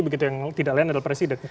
begitu yang tidak lain adalah presiden